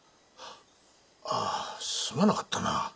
ああすまなかったな。